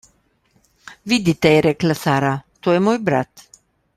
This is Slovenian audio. »Vidite,« je rekla Sara, »to je moj brat.«